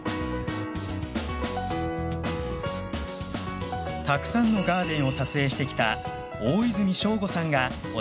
たくさんのガーデンを撮影してきた大泉省吾さんが教えてくれます。